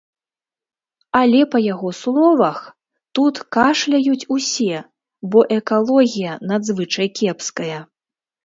Але, па яго словах, тут кашляюць усе, бо экалогія надзвычай кепская.